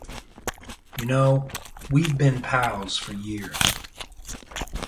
You know we've been pals for years.